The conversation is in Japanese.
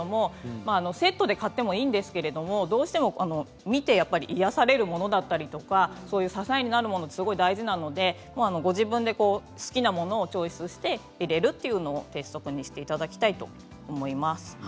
セットで買ってもいいんですけれどもやっぱり、どうしても見て癒やされたものだったり支えになるものが大事なのでご自分で好きなものをチョイスして入れるというのを鉄則にしていただきたいと思います。